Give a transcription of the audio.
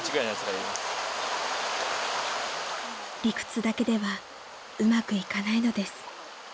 ［理屈だけではうまくいかないのです］